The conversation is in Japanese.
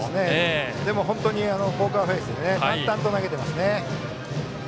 でも、本当にポーカーフェースで淡々と投げていますね。